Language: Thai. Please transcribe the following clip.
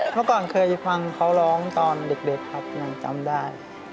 เมื่อก่อนเคยฟังเขาร้องตอนเด็กครับยังจำได้